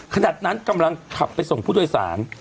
ขนาดนั้นกำลังขับไปส่งผู้โดยสาร